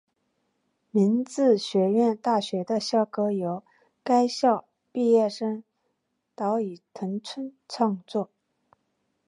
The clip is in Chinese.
明治学院大学的校歌由该校毕业生岛崎藤村创作。